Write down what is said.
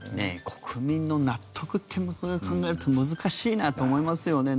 国民の納得って考えると難しいなと思いますよね。